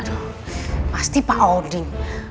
aduh pasti pak odin